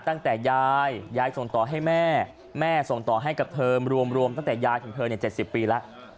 ตั้งแต่ยายยายส่งต่อให้แม่แม่ส่งต่อให้กับเธอรวมตั้งแต่ยายถึงเธอ๗๐ปีแล้ว